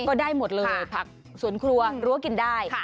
ก็ได้หมดเลยผักสวนครัวรั้วกินได้